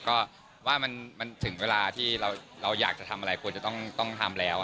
ก็ว่ามันถึงเวลาที่เราอยากจะทำอะไรควรจะต้องทำแล้ว